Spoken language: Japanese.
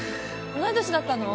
同い年だったの？